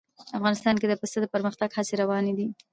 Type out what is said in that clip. افغانستان کې د پسه د پرمختګ هڅې روانې دي.